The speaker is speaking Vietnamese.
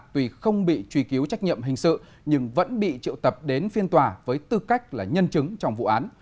tuy không bị truy cứu trách nhiệm hình sự nhưng vẫn bị triệu tập đến phiên tòa với tư cách là nhân chứng trong vụ án